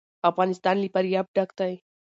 افغانستان له فاریاب ډک دی.